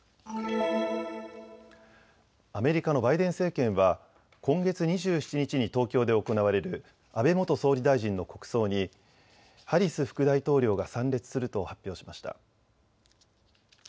アメリカのバイデン政権は今月２７日に東京で行われる安倍元総理大臣の国葬にハリス副大統領が参列すると発表しました。